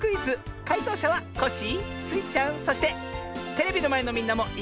かいとうしゃはコッシースイちゃんそしてテレビのまえのみんなもいっしょにかんがえるのミズよ。